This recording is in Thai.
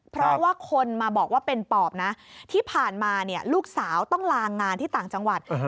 เพราะว่าคนมาบอกว่าเป็นปอบนะที่ผ่านมาเนี่ยลูกสาวต้องลางานที่ต่างจังหวัด